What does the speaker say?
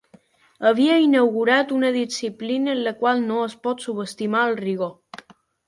Havia inaugurat una disciplina en la qual no es pot subestimar el rigor